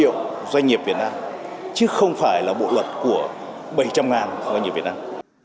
bộ luật của năm triệu doanh nghiệp việt nam chứ không phải là bộ luật của bảy trăm linh ngàn doanh nghiệp việt nam